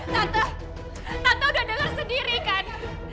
tante tante udah denger sendiri kan